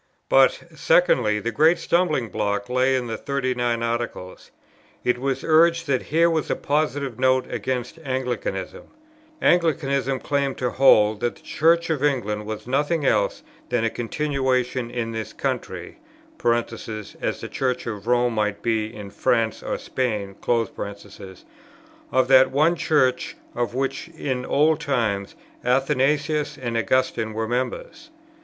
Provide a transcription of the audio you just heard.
But, secondly, the great stumbling block lay in the 39 Articles. It was urged that here was a positive Note against Anglicanism: Anglicanism claimed to hold, that the Church of England was nothing else than a continuation in this country, (as the Church of Rome might be in France or Spain,) of that one Church of which in old times Athanasius and Augustine were members.